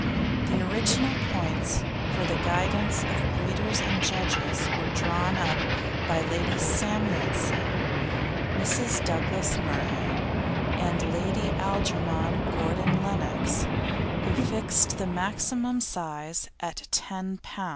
The original points for the guidance of breeders and judges were drawn up by Lady Samuelson, Mrs. Douglas Murray, and Lady Algernon Gordon Lennox, who fixed the maximum size at 10 lb.